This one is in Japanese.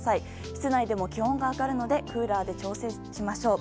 室内でも気温が上がるのでクーラーで調整しましょう。